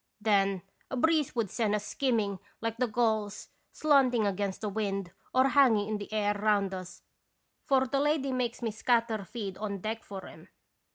Then a breeze would send us skimming like the gulls slanting against the wind or hanging in the air round us, for the lady makes me scatter feed on deck for 'em.